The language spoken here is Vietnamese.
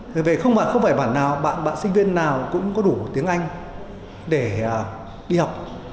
vì vậy không phải bạn nào bạn sinh viên nào cũng có đủ tiếng anh để đi học